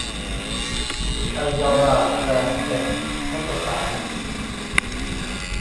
ไอยราแปลงเป็นคชสาร